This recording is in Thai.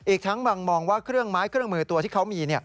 อีกทั้งบางมองว่าเครื่องไม้เครื่องมือตัวที่เขามี